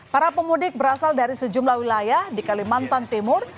para pemudik berasal dari sejumlah wilayah di kalimantan timur